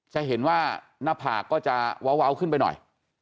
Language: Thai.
จะเห็นว่าหน้าผากก็จะว้าวขึ้นไปหน่อย